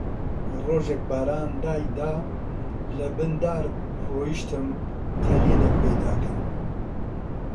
ڕۆژێک باران دایدا، لەبن دار ڕۆیشتم کەلێنێک پەیدا کەم